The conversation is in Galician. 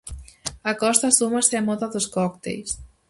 A Costa súmase á moda dos cócteis.